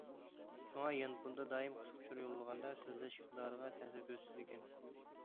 شۇڭا يانفوندا دائىم قىسقا ئۇچۇر يوللىغاندا، سۆزلەش ئىقتىدارىغا تەسىر كۆرسىتىدىكەن.